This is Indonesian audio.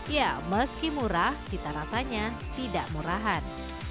ya meski murah cita rasanya tidak murahan